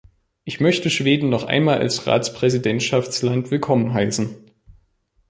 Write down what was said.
Ich möchte Schweden noch einmal als Ratspräsidentschaftsland willkommen heißen.